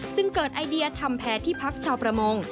จึงเกิดไอเดียทำแพร่ที่พักชาวประมง